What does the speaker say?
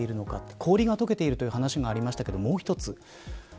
氷が解けているという話がありましたが、もう一つ。